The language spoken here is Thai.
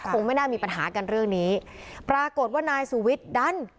คงไม่น่ามีปัญหากันเรื่องนี้ปรากฏว่านายสุวิทย์ดัน